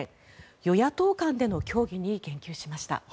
与野党間での協議に言及しました。